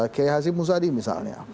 idana salim musadi misalnya